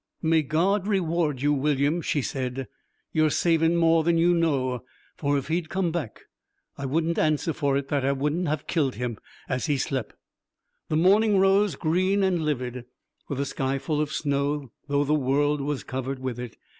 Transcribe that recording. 'May God reward you, William,' she said. 'You're savin' more than you know. For if he'd come back I wouldn't answer for it that I wouldn't have kilt him as he slep'.' The morning rose green and livid, with a sky full of snow though the world was covered with it.